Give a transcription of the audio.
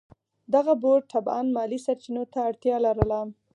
دغه بورډ طبعاً مالي سرچینو ته اړتیا لرله.